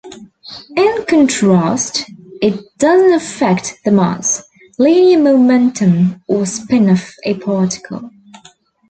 In contrast, it doesn't affect the mass, linear momentum or spin of a particle.